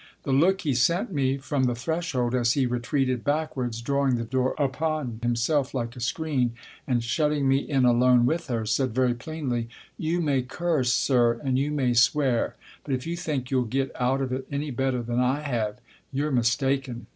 The look he sent me from the threshold as he retreated back wards, drawing the door upon himself like a screen and shutting me in alone with her, said very plainly, " You may curse, sir, and you may swear; but if you think you'll get out of it any better than I have you're mis taken."